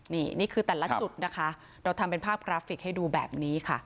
นี่นี่คือแต่ละจุดนะคะเราทำเป็นภาพกราฟิกให้ดูแบบนี้ค่ะ